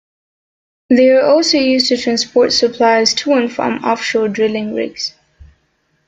They are also used to transport supplies to and from offshore drilling rigs.